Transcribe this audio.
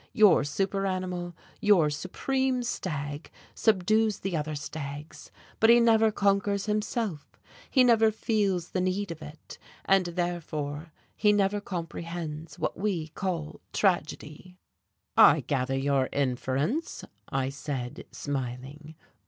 Your super animal, your supreme stag subdues the other stags, but he never conquers himself, he never feels the need of it, and therefore he never comprehends what we call tragedy." "I gather your inference," I said, smiling.